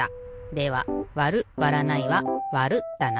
ではわるわらないはわるだな。